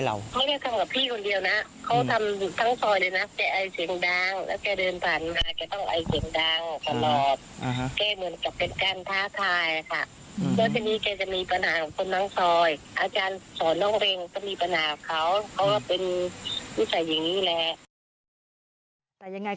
เพราะฉะนี้